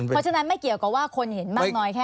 เพราะฉะนั้นไม่เกี่ยวกับว่าคนเห็นมากน้อยแค่